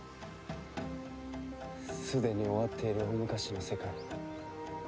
すでに終わっている大昔の世界。